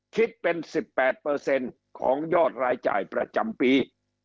คิดเป็น๑๘ของยอดรายจ่ายประจำปี